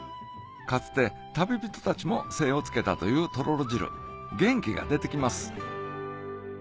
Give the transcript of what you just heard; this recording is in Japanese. かつて旅人たちも精をつけたというとろろ汁元気が出てきます